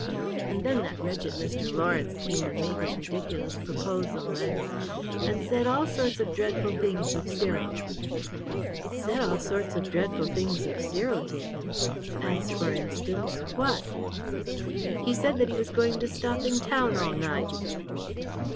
And then that wretched Mr. Lawrence came and made his ridiculous proposal, and and said all sorts of dreadful things of Cyril!" "Said all sorts of dreadful things of Cyril, did he? As, for instance, what?" "He said that he was going to stop in town all night."